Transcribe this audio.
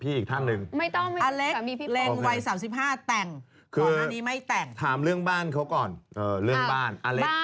พี่ไม่กล้าตอบเพราะว่าพี่รักพี่พี่เอ็นดูอเล็ก